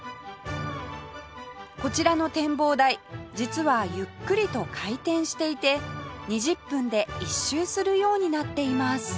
こちらの展望台実はゆっくりと回転していて２０分で一周するようになっています